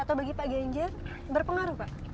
atau bagi pak ganjar berpengaruh pak